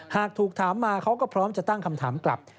หากถูกถามมาเขาก็พร้อมจะตั้งคำถามกลับ